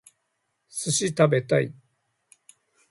寿司食べたい